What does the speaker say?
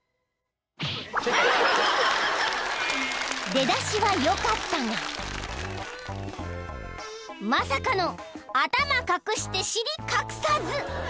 ［出だしは良かったがまさかの頭隠して尻隠さず］